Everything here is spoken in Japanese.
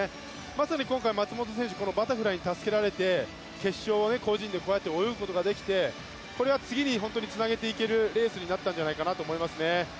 まさに今回松元選手はこのバタフライに助けられて決勝で個人でこうやって泳ぐことができてこれは次につなげていけるレースになったんじゃないかと思いますね。